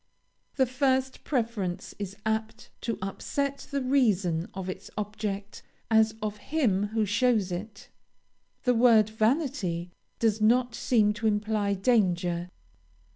The first preference is apt to upset the reason of its object as of him who shows it. The word vanity does not seem to imply danger.